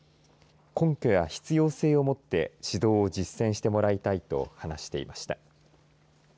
根拠や必要性をもって指導を実践してもらいたいと話していました。